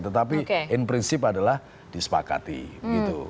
tetapi in prinsip adalah disepakati gitu